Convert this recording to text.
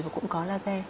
và cũng có laser